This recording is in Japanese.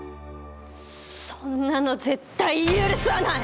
そんなの絶対許さない！